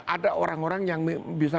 ada orang orang yang bisa